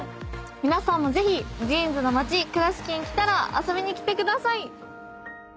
皆さんもぜひジーンズの町倉敷に来たら遊びに来てください！